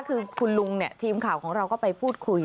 คือคุณลุงเนี่ยทีมข่าวของเราก็ไปพูดคุย